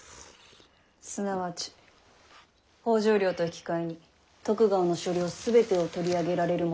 すなわち北条領と引き換えに徳川の所領全てを取り上げられるものと存じまする。